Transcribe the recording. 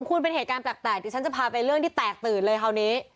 คุณเป็นเหตุการณ์แปลกดิฉันจะพาไปเรื่องที่แตกตื่นเลยคราวนี้